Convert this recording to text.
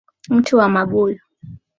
Mti wa mabuyu.